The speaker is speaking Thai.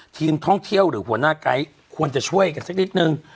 ทีมท่องเที่ยวหรือหัวหน้าไกด์ควรจะช่วยกันสักนิดนึง